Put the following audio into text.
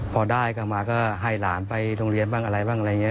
พอได้กลับมาก็ให้หลานไปโรงเรียนบ้างอะไร